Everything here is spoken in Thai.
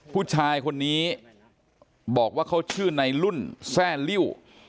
ผู้ชายคนนี้บอกว่าเขาชื่อในรุ่นแซ่ลิ้ว